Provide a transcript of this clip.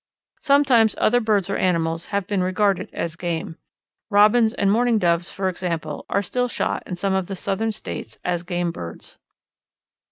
Sometimes other birds or animals have been regarded as game. Robins and Mourning Doves, for example, are still shot in some of the Southern States as game birds.